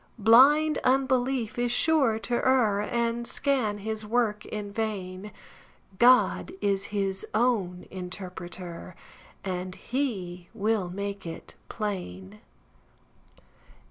Blind unbelief is sure to err, And scan his work in vain; God is his own interpreter, And he will make it plain.